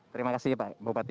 terima kasih pak bupati